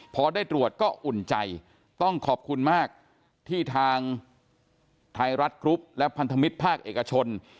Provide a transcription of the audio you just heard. พอได้ตรวจก็อุ่นใจต้องขอบคุณมากที่ทางไทยรัฐกรุ๊ปและพันธมิตรภาคเอกชน